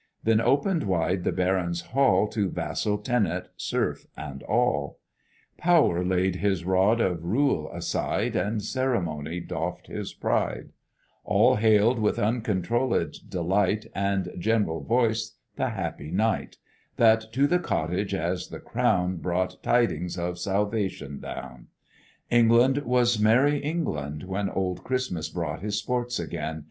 Then opened wide the baron's hall To vassal, tenant, serf, and all; Power laid his rod of rule aside, And ceremony doffed his pride; All hailed with uncontrolled delight And general voice the happy night That to the cottage, as the crown, Brought tidings of salvation down. England was merry England, when Old Christmas brought his sports again.